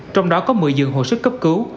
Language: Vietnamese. trong đó có một mươi dường hồi sức cấp cứu